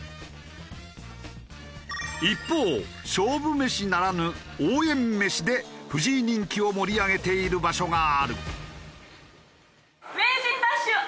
一方勝負メシならぬ応援メシで藤井人気を盛り上げている場所がある。